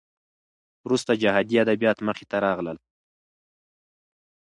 وروسته جهادي ادبیات مخې ته راغلل.